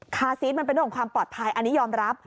ซีสมันเป็นเรื่องของความปลอดภัยอันนี้ยอมรับ